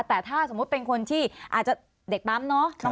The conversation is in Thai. แต่ถ้าสมมุติเป็นคนที่อาจจะเด็กปั๊มเนาะ